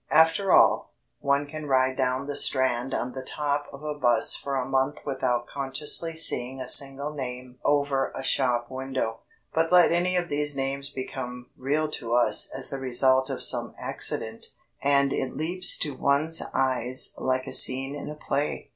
After all, one can ride down the Strand on the top of a 'bus for a month without consciously seeing a single name over a shop window. But let any of these names become real to us as the result of some accident, and it leaps to one's eyes like a scene in a play.